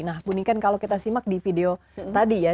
nah buningkan kalau kita simak di video tadi ya